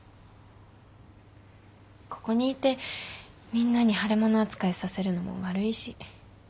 ここにいてみんなに腫れ物扱いさせるのも悪いし。